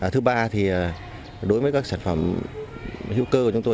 thứ ba thì đối với các sản phẩm hữu cơ của chúng tôi